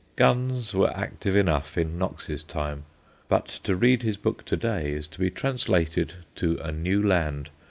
Guns were active enough in Knox's time, but to read his book to day is to be translated to a new land.